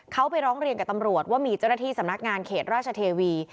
เขาไปร้องเรียนกับตำรวจว่ามีเจ้าหน้าที่สำนักงานเขตราชเทวี